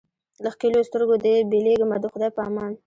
له ښکلیو سترګو دي بېلېږمه د خدای په امان